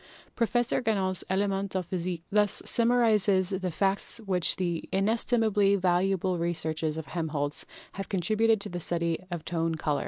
Professor Ganot's Elements de Physique thus sum marizes the facts which the inestimably valuable researches of Helmholtz have contributed to the study of tone color : Fig.